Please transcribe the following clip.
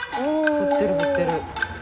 振ってる振ってる。